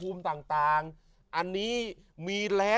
สวัสดีครับ